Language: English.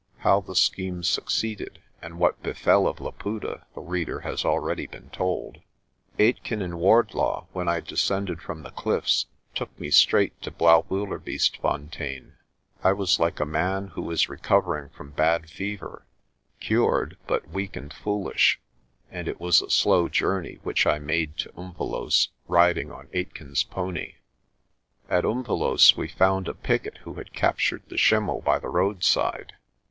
How the scheme succeeded and what befell of Laputa the reader has already been told. Aitken and Wardlaw, when I descended from the cliffs, took me straight to Blaauwildebeestefontein. I was like a man who is recovering from bad fever, cured but weak and foolish, and it was a slow journey which I made to Umvelos', riding on Aitken's pony. At Umvelos' we found a picket who had captured the schimmel by the roadside.